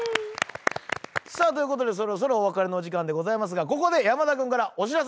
さあということでそろそろお別れのお時間でございますがここで。